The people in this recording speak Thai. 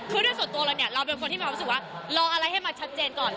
คือด้วยส่วนตัวเราเป็นคนที่มันคิดว่ารออะไรให้มาชัดเจนก่อน